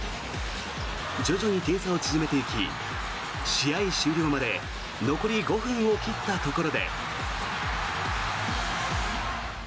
徐々に点差を縮めていき試合終了まで残り５分を切ったところで。